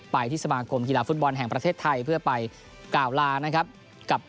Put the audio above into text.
ไปที่สมาคมกีฬาฟุตบอลแห่งประเทศไทยเพื่อไปกล่าวลานะครับกับ